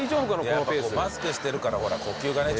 このペースマスクしてるからほら呼吸がね